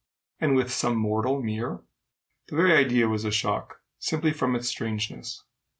and with some mortal mere? The very idea was a shock, simply from its strangeness.